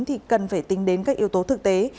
thì cần phải tính đến các yếu tố thực tế